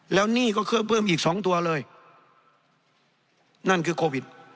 แล้วหนี้ก็เพิ่มเพิ่มอีกสองตัวเลยนั่นคือโควิด